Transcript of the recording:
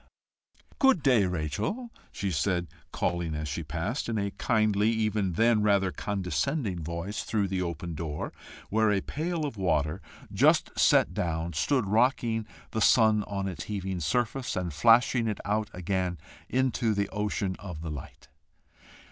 "Good day, Rachel," she said, calling as she passed, in a kindly, even then rather condescending voice, through the open door, where a pail of water, just set down, stood rocking the sun on its heaving surface, and flashing it out again into the ocean of the light.